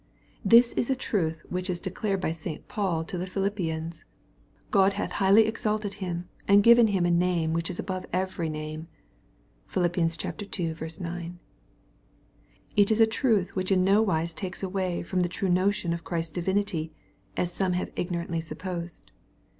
'' This is a truth which is declared by St. Paul to the Philippians, " God hath highly exalted Him and given Him a name which is above every name." (Phil. ii. 9.) It is a truth which in nowise takes away from the true no tion of Christ's divinity, as some have ignorantly supposed.